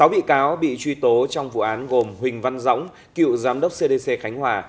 sáu bị cáo bị truy tố trong vụ án gồm huỳnh văn dõng cựu giám đốc cdc khánh hòa